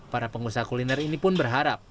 para pengusaha kuliner ini pun berharap